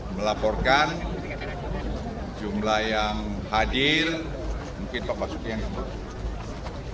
melaporkan jumlah yang hadir mungkin pak basuki yang disebut